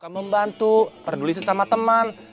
kamu membantu peduli sama teman